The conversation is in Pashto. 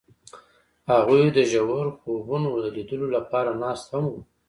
هغوی د ژور خوبونو د لیدلو لپاره ناست هم وو.